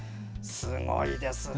すごいですね！